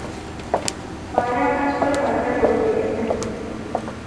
গয়নার কাজ করে কয়েকটা গরু কিনেছেন।